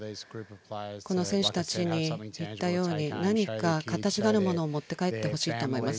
この選手たちに言ったように何か、形があるものを持って帰ってほしいと思います。